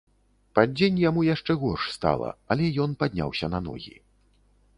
Пад дзень яму яшчэ горш стала, але ён падняўся на ногі.